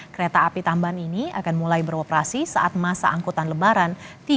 kereta api tambahan ini akan mulai beroperasi saat masa angkutan lebaran